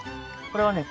これはね